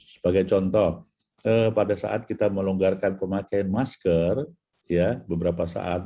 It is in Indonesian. sebagai contoh pada saat kita melonggarkan pemakaian masker ya beberapa saat